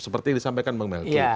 seperti disampaikan bang melky